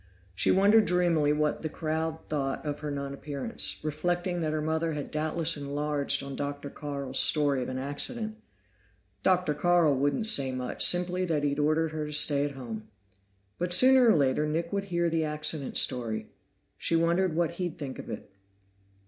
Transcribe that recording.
She wondered dreamily what the crowd thought of her non appearance, reflecting that her mother had doubtless enlarged on Dr. Carl's story of an accident. Dr. Carl wouldn't say much, simply that he'd ordered her to stay at home. But sooner or later, Nick would hear the accident story; she wondered what he'd think of it.